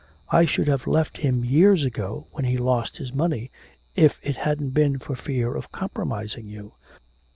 I should have left him years ago when he lost his money if it hadn't been for fear of compromising you.'